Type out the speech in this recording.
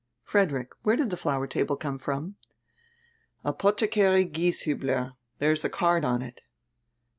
Frederick, where did die flower table come from?" "Apothecary Gieshiibler. There is a card on it."